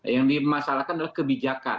yang dimasalahkan adalah kebijakan